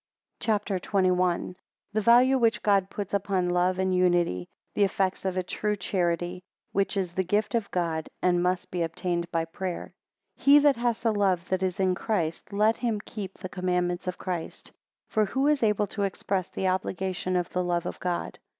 CHAPTER XXI. 1 The value which God, puts upon love and unity: the effects of a true charity, 8 which is the gift of God, and must be obtained by prayer. HE that has the love that is in Christ, let him keep the commandments of Christ. 2 For who is able to express the obligation of the love of God?